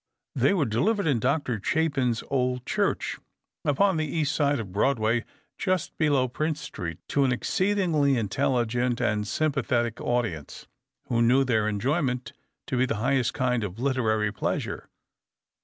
They were delivered in Dr. Chapin's old church, upon the east side of Broadway just below Prince Street, to an exceedingly intelligent and sympathetic audience, who knew their enjoyment to be the highest kind of literary pleasure.